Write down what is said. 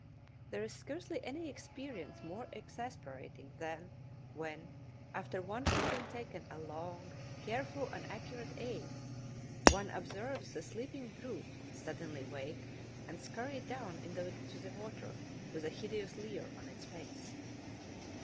There is scarcely any experience more exasperating than when, after one has taken a long, careful, and accurate aim, one observes the sleeping brute suddenly wake and scurry down into the water with a hideous leer on its face.